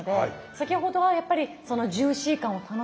先ほどはやっぱりそのジューシー感を楽しむ。